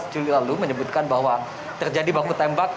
juli lalu menyebutkan bahwa terjadi baku tembak